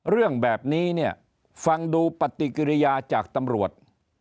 เรื่องแบบนี้เนี่ยฟังดูปฏิกิริยาจากตำรวจ